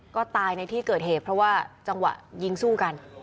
ก็ตายในที่เกิดเหตุเพราะว่าจังหวะยิงสู้กัน